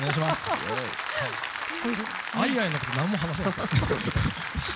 「愛彌々」のこと、何も話せなかった。